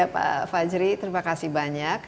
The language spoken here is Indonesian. pak fajri terima kasih banyak